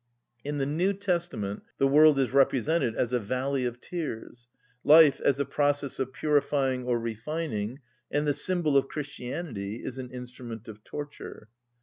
In the New Testament the world is represented as a valley of tears, life as a process of purifying or refining, and the symbol of Christianity is an instrument of torture.